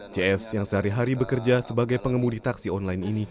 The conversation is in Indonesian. cs yang sehari hari bekerja sebagai pengemudi taksi online ini